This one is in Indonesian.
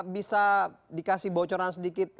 bisa dikasih bocoran sedikit